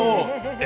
「え」